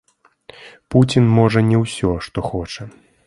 Пуцін можа не ўсё, што хоча.